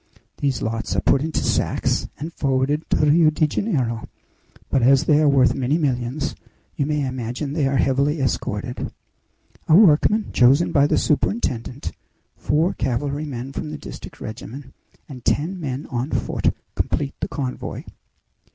These lots are put into sacks and forwarded to Rio de Janeiro; but as they are worth many millions you may imagine they are heavily escorted. A workman chosen by the superintendent, four cavalrymen from the district regiment, and ten men on foot, complete the convoy.